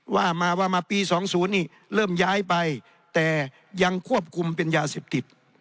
ว่ามาว่ามาปี๒๐นี่เริ่มย้ายไปแต่ยังควบคุมเป็นยาเสพติด